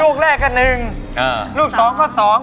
ลูกแรกก็หนึ่งลูกสองก็สอง